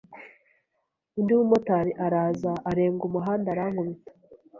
undi mumotari araza arenga umuhanda arankubita